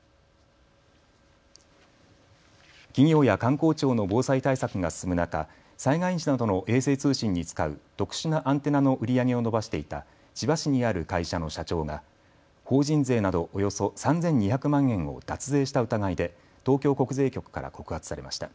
企業や官公庁の防災対策が進む中、災害時などの衛星通信に使う特殊なアンテナの売り上げを伸ばしていた千葉市にある会社の社長が法人税などおよそ３２００万円を脱税した疑いで東京国税局から告発されました。